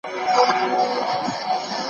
په دفتر کي د ټولو ورځنیو کارونو لیست جوړېږي.